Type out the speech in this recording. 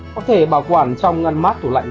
có thể bảo quản trong ngăn mát tủ lạnh